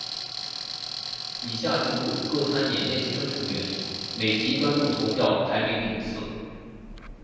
以下记录各参演练习生成员每集观众投票排名名次。